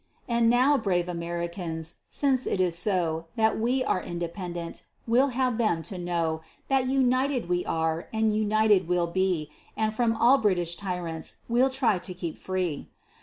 And now, brave Americans, since it is so, That we are independent, we'll have them to know That united we are, and united we'll be, And from all British tyrants we'll try to keep free.